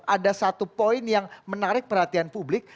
ada satu poin yang menarik perhatian publik